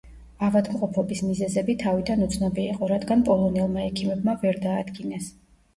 ავადმყოფობის მიზეზები თავიდან უცნობი იყო, რადგან პოლონელმა ექიმებმა ვერ დაადგინეს.